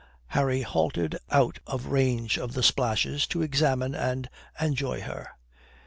Harry halted out of range of the splashes to examine and enjoy her.